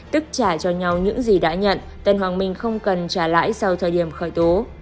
tức trả cho nhau những gì đã nhận tân hoàng minh không cần trả lãi sau thời điểm khởi tố